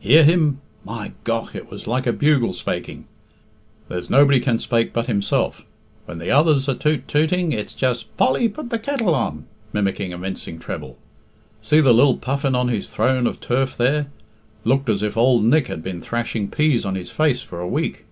"Hear him? My gough, it was like a bugle spaking. There's nobody can spake but himself. When the others are toot tooting, it's just 'Polly, put the kettle on' (mimicking a mincing treble). See the lil Puffin on his throne of turf there? Looked as if Ould Nick had been thrashing peas on his face for a week."